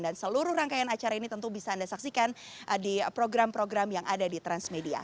dan seluruh rangkaian acara ini tentu bisa anda saksikan di program program yang ada di transmedia